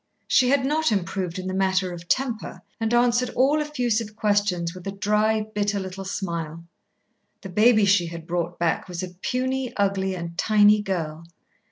She had not improved in the matter of temper, and answered all effusive questions with a dry, bitter little smile. The baby she had brought back was a puny, ugly, and tiny girl.